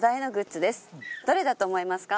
どれだと思いますか？